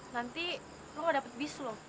nanti lo gak dapet bis lo